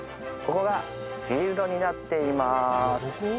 ここがフィールドになっています